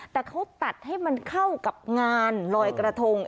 แต่เขาตัดให้มันเข้ากับงานลอยกระทง